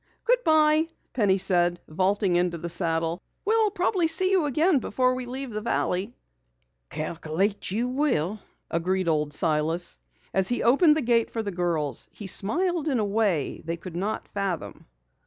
"Goodbye," Penny said, vaulting into the saddle. "We'll probably see you again before we leave the valley." "Calculate you will," agreed Old Silas. As he opened the gate for the girls he smiled in a way they could not fathom.